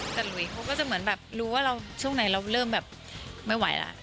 แต่หลุยเขาก็จะเหมือนแบบรู้ว่าเราช่วงไหนเราเริ่มแบบไม่ไหวแล้ว